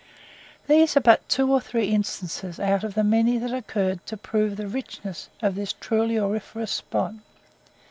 These are but two or three instances out of the many that occurred to prove the richness of this truly auriferous spot.